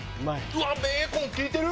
うわーベーコン利いてる！